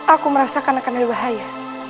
aku merasakan akan ada bahaya